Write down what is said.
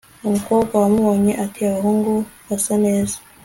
umukobwa wambonye ati abahungu basaneza